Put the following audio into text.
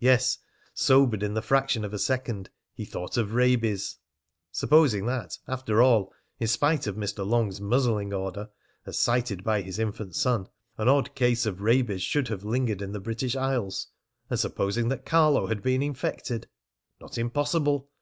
Yes, sobered in the fraction of a second, he thought of rabies. Supposing that, after all, in spite of Mr. Long's muzzling order, as cited by his infant son, an odd case of rabies should have lingered in the British Isles, and supposing that Carlo had been infected! Not impossible!